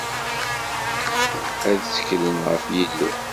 Ad tteklen ɣef Yillu.